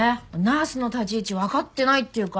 ナースの立ち位置わかってないっていうか。